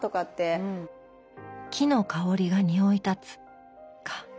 「木の香りがにおい立つ」か。